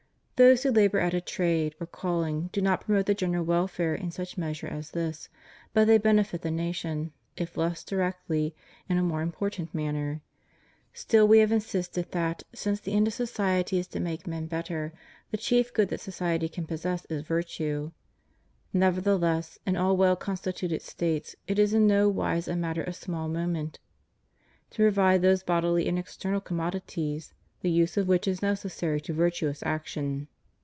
Those who labor at a trade or calling do not promote the general welfare in such measure as this; but they benefit the nation, if less directly, in a most impor tant manner. Still we have insisted that, since the end of society is to make men better, the chief good that society can possess is virtue. Nevertheless, in all well constituted States it is in no wise a matter of small moment to provide those bodily and external commodities the use of which is necessary to virtuous action.